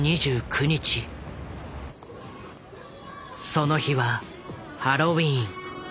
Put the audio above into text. その日はハロウィーン。